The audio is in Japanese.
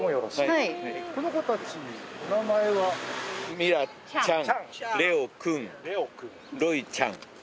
ミラちゃんレオくんロイちゃん。